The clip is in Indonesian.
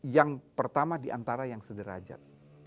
yang pertama diantara yang sederajat